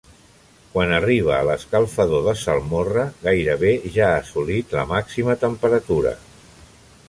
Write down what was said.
Quan arriba a l'escalfador de salmorra, gairebé ja ha assolit la màxima temperatura.